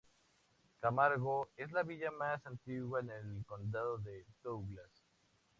Camargo es la villa más antigua en el condado de Douglas.